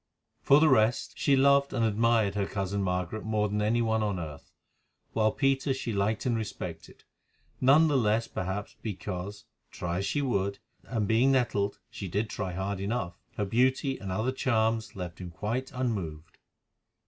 For the rest, she loved and admired her cousin Margaret more than any one on earth, while Peter she liked and respected, none the less perhaps because, try as she would—and, being nettled, she did try hard enough—her beauty and other charms left him quite unmoved.